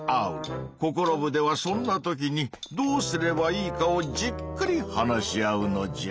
「ココロ部！」ではそんな時にどうすればいいかをじっくり話し合うのじゃ。